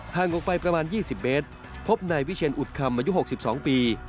ทางออกไปประมาณ๒๐เบตพบในวิเชียนอุดคำมายุ๖๒ปี